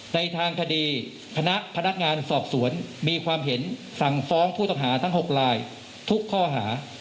ในทางคดีพนักงานสอบสวนมีความเห็นสั่งฟ้องผู้ต้องหาทั้ง๖ลายทุกข้อหา